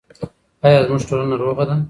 آیا زموږ ټولنه روغه ده؟